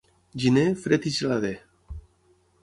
Gener, fred i gelader.